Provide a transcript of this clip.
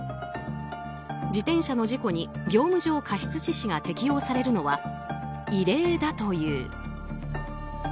自転車の事故に業務上過失致死が適用されるのは異例だという。